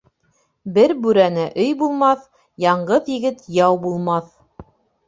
Бер бүрәнә өй булмаҫ, яңғыҙ егет яу булмаҫ.